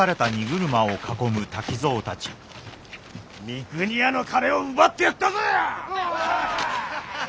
三国屋の金を奪ってやったぜ！